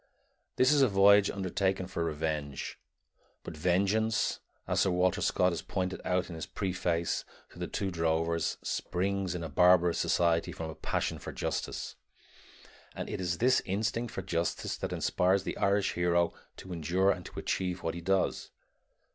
This is a voyage undertaken for revenge; but vengeance, as Sir Walter Scott has pointed out in his preface to The Two Drovers, springs in a barbarous society from a passion for justice; and it is this instinct for justice that inspires the Irish hero to endure and to achieve what he does.